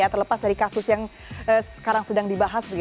terlepas dari kasus yang sekarang sedang dibahas